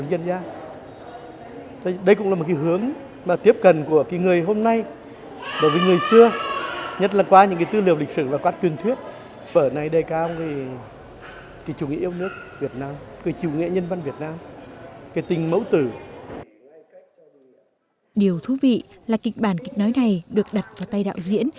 điều thú vị là kịch bản kịch nói này được đặt vào tay đạo diễn